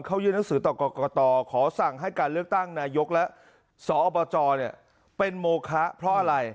เขายื่นหนังสือต่อกรกตขอสั่งให้การเลือกตั้งนายกและสอบจเป็นโมคะเพราะอะไร